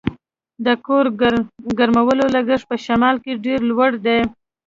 د کور ګرمولو لګښت په شمال کې ډیر لوړ دی